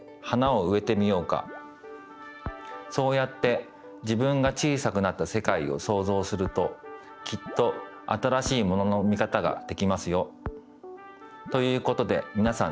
そうやって自分が小さくなったせかいをそうぞうするときっと新しいものの見方ができますよ。ということでみなさん